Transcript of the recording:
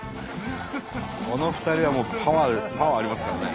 この２人はもうパワーありますからね。